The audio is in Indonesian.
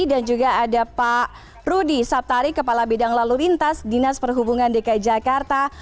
dan juga ada pak rudy saptari kepala bidang lalu lintas dinas perhubungan dki jakarta